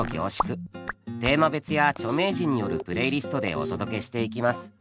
テーマ別や著名人によるプレイリストでお届けしていきます。